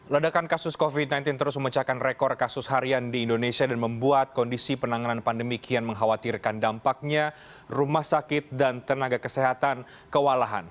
ledakan kasus covid sembilan belas terus memecahkan rekor kasus harian di indonesia dan membuat kondisi penanganan pandemi kian mengkhawatirkan dampaknya rumah sakit dan tenaga kesehatan kewalahan